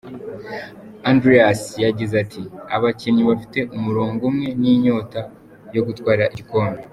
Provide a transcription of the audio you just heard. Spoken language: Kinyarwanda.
Andreas yagize ati “Abakinnyi bafite umurongo umwe n’inyota yo gutwara igikombe.